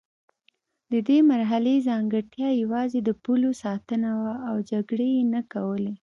د دې مرحلې ځانګړتیا یوازې د پولو ساتنه وه او جګړې یې نه کولې.